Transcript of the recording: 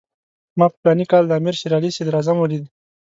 ما په فلاني کال کې د امیر شېر علي صدراعظم ولید.